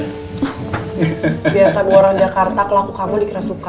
biasa gue orang jakarta kelaku kamu dikira suka